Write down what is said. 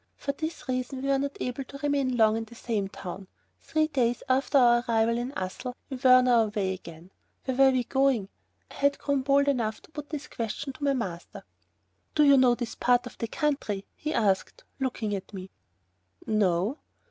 For this reason we were not able to remain long in the same town. Three days after our arrival in Ussel we were on our way again. Where were we going? I had grown bold enough to put this question to my master. "Do you know this part of the country?" he asked, looking at me. "No."